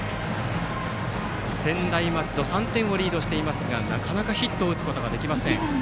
専大松戸３点をリードしていますがなかなかヒットを打つことができません。